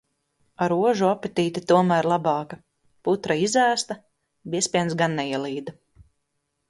Ar ožu apetīte tomēr labāka, putra izēsta, biezpiens gan neielīda.